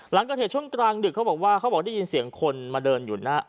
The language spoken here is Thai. หลังเกิดเหตุช่วงกลางดึกเขาบอกว่าเขาบอกได้ยินเสียงคนมาเดินอยู่หน้า